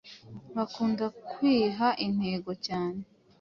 bakunda kwiha intego cyane